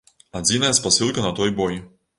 Адзіная спасылка на той бой.